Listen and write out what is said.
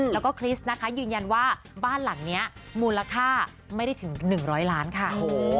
แล้วก็คริสต์นะคะยืนยันว่าบ้านหลังนี้มูลค่าไม่ได้ถึง๑๐๐ล้านค่ะ